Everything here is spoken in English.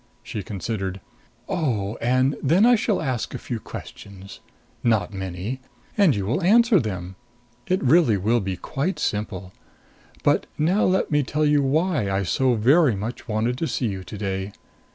She considered. "Oh, and then I shall ask a few questions. Not many. And you will answer them. It really will be quite simple. But now let me tell you why I so very much wanted to see you today.